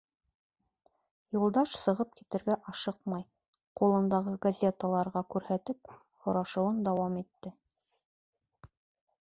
Юлдаш сығып китергә ашыҡмай, ҡулындағы газеталарға күрһәтеп, һорашыуын дауам итте: